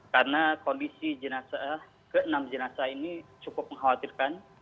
karena kondisi ke enam jinasa ini cukup mengkhawatirkan